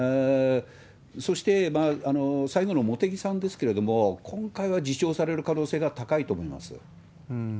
そして最後の茂木さんですけれども、今回は自重される可能性が高いと思います。